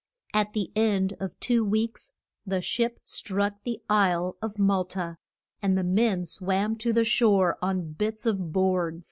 At the end of two weeks the ship struck the isle of Mal ta, and the men swam to the shore on bits of boards.